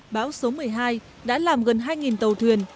bão số một mươi hai đã làm gần hai tàu thuyền